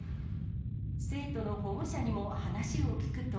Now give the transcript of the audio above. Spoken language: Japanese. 生徒の保護者にも話を聞くと。